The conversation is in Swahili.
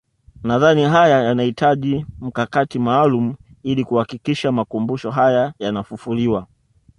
Nadhani haya yanahitaji mkakati maalum ili kuhakikisha makumbusho haya yanafufuliwa